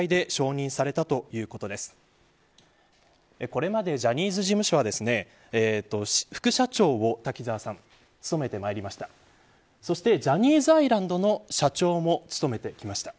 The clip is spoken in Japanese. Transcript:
これまでジャニーズ事務所は副社長を滝沢さんが務めてきました。